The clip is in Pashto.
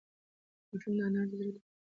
ماشوم د انا د زړه ټوټه وه.